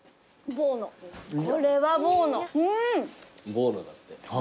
ボーノだって。